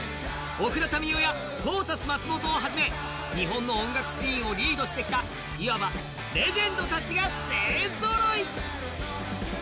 奥田民生やトータス松本をはじめ、日本の音楽シーンをリードしてきたいわばレジェンドたちが勢ぞろい。